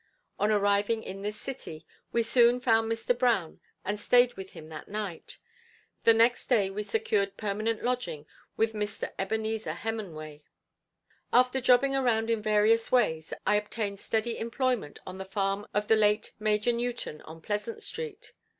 On arriving in this city, we soon found Mr. Brown and stayed with him that night. The next day we secured permanent lodging with Mr. Ebenezer Hemenway. After jobbing around in various ways, I obtained steady employment on the farm of the late Major Newton on Pleasant Street.